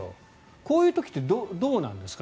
こういう時ってどうなんですか？